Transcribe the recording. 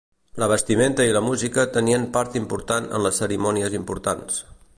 La vestimenta i la música tenien part important en les cerimònies importants.